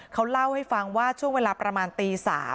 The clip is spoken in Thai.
เขาเล่าให้ฟังว่าช่วงเวลาประมาณตี๓